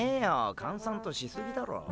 閑散としすぎだろ。